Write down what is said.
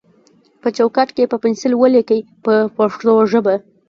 په چوکاټ کې یې په پنسل ولیکئ په پښتو ژبه.